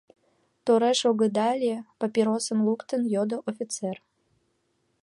Тореш огыда лий? — папиросым луктын, йодо офицер.